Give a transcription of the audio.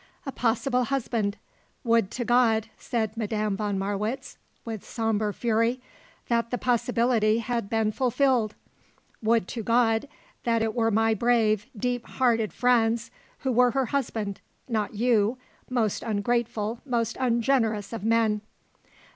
A possible husband! Would to God," said Madame von Marwitz, with sombre fury, "that the possibility had been fulfilled! Would to God that it were my brave, deep hearted Franz who were her husband not you, most ungrateful, most ungenerous of men."